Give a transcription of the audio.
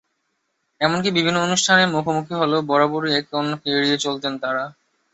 এমনকি বিভিন্ন অনুষ্ঠানে মুখোমুখি হলেও বরাবরই একে অন্যকে এড়িয়ে চলতেন তাঁরা।